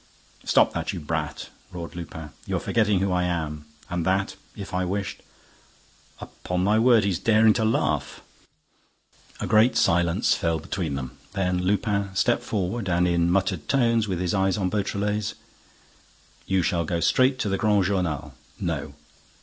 "Stop that, you brat!" roared Lupin. "You're forgetting who I am—and that, if I wished—upon my word, he's daring to laugh!" A great silence fell between them. Then Lupin stepped forward and, in muttered tones, with his eyes on Beautrelet's: "You shall go straight to the Grand Journal." "No."